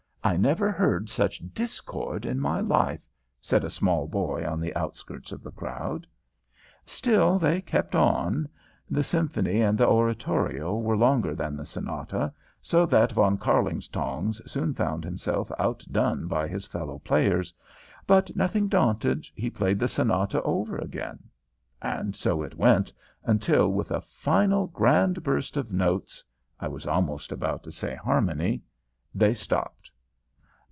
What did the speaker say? "I never heard such discord in my life," said a small boy on the outskirts of the crowd. Still they kept on. The Symphony and the Oratorio were longer than the Sonata, so that Von Kärlingtongs soon found himself outdone by his fellow players, but, nothing daunted, he played the Sonata over again. And so it went, until, with a final grand burst of notes (I was almost about to say harmony), they stopped.